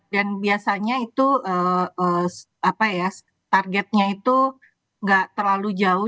dan biasanya itu targetnya itu nggak terlalu jauh